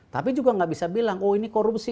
tapi juga nggak bisa bilang oh ini korupsi